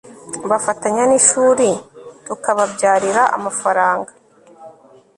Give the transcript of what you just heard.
bafatanya n'ishuri tukababyarira amafaranga